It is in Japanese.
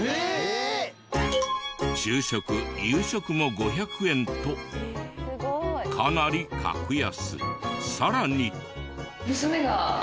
昼食夕食も５００円とかなり格安。